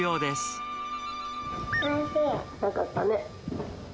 よかったね。